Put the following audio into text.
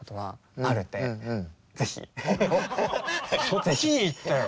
そっちに行ったよ。